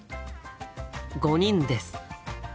５人です。